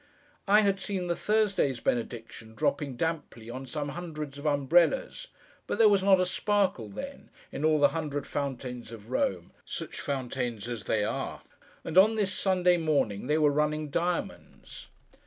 I had seen the Thursday's Benediction dropping damply on some hundreds of umbrellas, but there was not a sparkle then, in all the hundred fountains of Rome—such fountains as they are!—and on this Sunday morning they were running diamonds.